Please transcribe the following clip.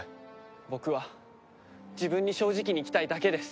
僕は自分に正直に生きたいだけです。